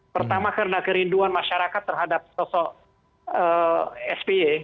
pertama karena kerinduan masyarakat terhadap sosok sby